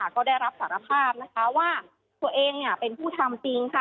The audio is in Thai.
ก็ได้รับสารภาพนะคะว่าตัวเองเป็นผู้ทำจริงค่ะ